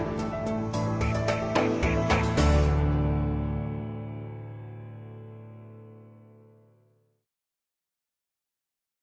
กลับไปที่นั่นแหละ